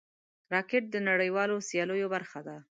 راکټ د نړیوالو سیالیو برخه ده